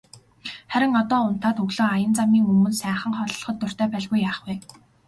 Харин одоо унтаад өглөө аян замын өмнө сайхан хооллоход дуртай байлгүй яах вэ.